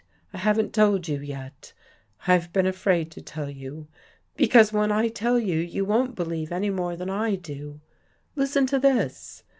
" I haven't told you yet. I've been afraid to tell you. Because, when I tell you, you won't believe any more than I do. Listen to this!